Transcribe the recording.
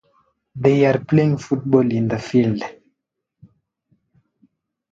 Davidson Granite Company, Northeast of Lithonia.